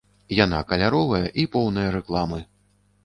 Яна каляровая, і поўная рэкламы.